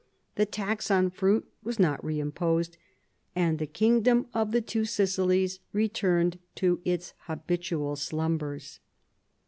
The tax on fruit was not reimposed, and the kingdom of the Two Sicilies returned to its habitual slumbers.